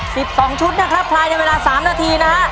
สิบสองชุดนะครับภายในเวลาสามนาทีนะฮะ